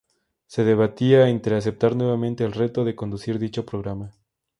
Se debatía entre aceptar nuevamente el reto de conducir dicho programa.